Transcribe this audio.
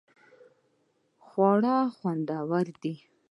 خواړه خوندور دې